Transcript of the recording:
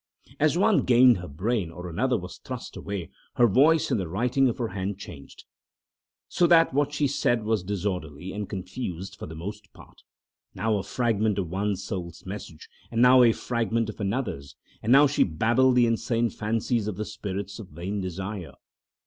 As one gained her brain or another was thrust away, her voice and the writing of her hand changed. So that what she said was disorderly and confused for the most part; now a fragment of one soul's message, and now a fragment of another's, and now she babbled the insane fancies of the spirits of vain desire.